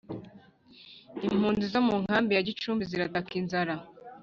Impunzi zo munkambi ya Gicumbi zirataka inzara